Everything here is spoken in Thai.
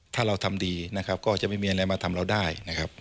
ถ้าเราทำดีนะครับก็จะไม่มีอะไรมาทำเราได้นะครับ